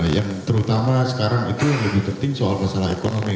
yang terutama sekarang itu yang lebih penting soal masalah ekonomi